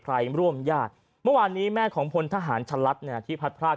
ใครร่วมญาติเมื่อวานนี้แม่ของพลทหารชะลัดเนี่ยที่พัดพราก